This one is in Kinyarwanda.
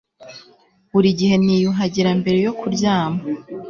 Buri gihe niyuhagira mbere yo kuryama